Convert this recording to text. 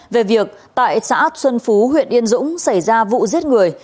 về việc tại xã xuân phú huyện yên dũng xảy ra vụ giết người